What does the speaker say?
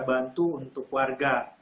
bantu untuk warga